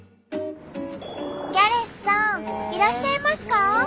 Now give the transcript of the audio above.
ギャレスさんいらっしゃいますか？